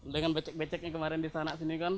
dengan becek beceknya kemarin di sana